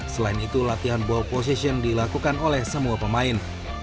selain itu latihan ball position dilakukan oleh semua pemain